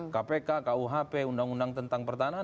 kpk kuhp undang undang tentang pertahanan